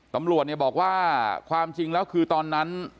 ตำรวจเนี่ยบอกว่าความจริงแล้วคือตอนนั้น